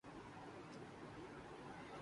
تو اس کا نتیجہ کیا ہو تا ہے۔